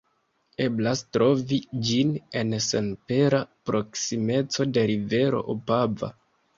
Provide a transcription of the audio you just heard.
Eblas trovi ĝin en senpera proksimeco de rivero Opava.